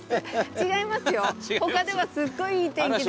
違います。